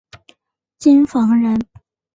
京房人。